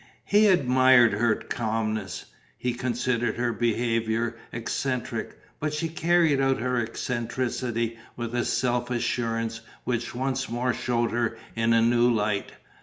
He admired her calmness. He considered her behaviour eccentric; but she carried out her eccentricity with a self assurance which once more showed her in a new light.